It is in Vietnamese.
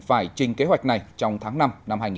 phải trình kế hoạch này trong tháng năm năm hai nghìn hai mươi